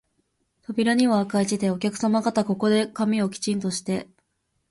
扉には赤い字で、お客さま方、ここで髪をきちんとして、